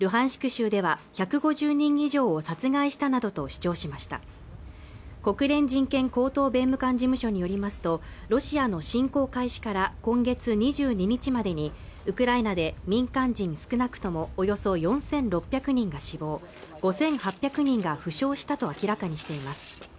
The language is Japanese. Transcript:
州では１５０人以上を殺害したなどと主張しました国連人権高等弁務官事務所によりますとロシアの侵攻開始から今月２２日までにウクライナで民間人少なくともおよそ４６００人が死亡５８００人が負傷したと明らかにしています